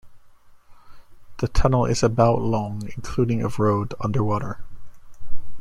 The tunnel is about long, including of road under water.